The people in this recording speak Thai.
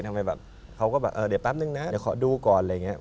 ทำไมแบบเขาก็แบบเออเดี๋ยวแป๊บนึงนะเดี๋ยวขอดูก่อนอะไรอย่างนี้